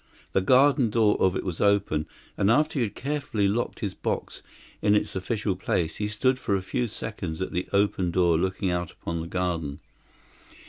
The garden door of it was open, and after he had carefully locked his box in its official place, he stood for a few seconds at the open door looking out upon the garden.